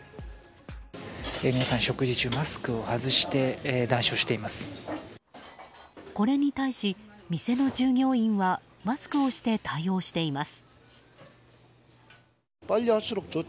皆さん、食事中マスクを外してこれに対し店の従業員がマスクをして対応しています。